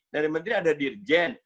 dari menteri ada dirjen